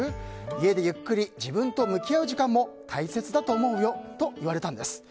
家でゆっくり自分と向き合う時間も大切だと思うよと言われたんです。